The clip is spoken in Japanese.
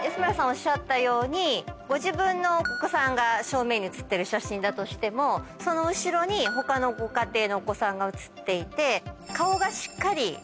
おっしゃったようにご自分のお子さんが正面に写ってる写真だとしてもその後ろに他のご家庭のお子さんが写っていて。